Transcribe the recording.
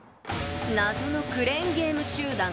謎のクレーンゲーム集団。